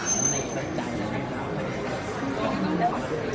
ในตัวงานจากหลักหลัก